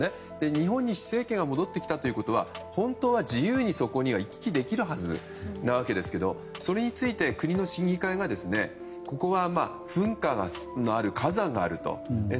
日本に戻ってきたということは本当は自由にそこに行き来できるはずな訳ですがそれについて、国の審議会がここは火山があると。